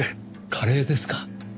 カレーですか。